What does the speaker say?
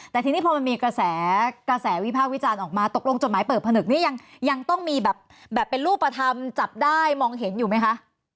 แต่ทีนี้พอมันมีกระแสกระแสวิพากษ์วิจารณ์ออกมาตกลงจดหมายเปิดผนึกนี้ยังต้องมีแบบเป็นรูปธรรมจับได้มองเห็นอยู่ไหมคะ